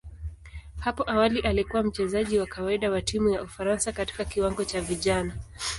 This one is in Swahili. Hapo awali alikuwa mchezaji wa kawaida wa timu ya Ufaransa katika kiwango cha vijana.